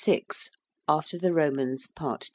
AFTER THE ROMANS. PART II.